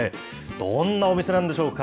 どんなお店なんでしょうか。